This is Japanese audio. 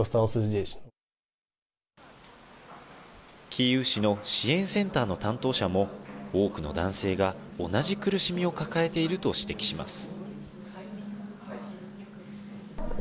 キーウ市の支援センターの担当者も多くの男性が同じ苦しみを抱えていると指摘します。